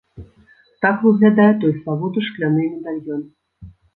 Так выглядае той славуты шкляны медальён.